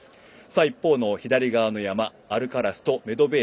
一方の左の山アルカラスとメドべー